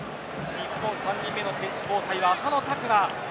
日本、３人目の選手交代は浅野拓磨。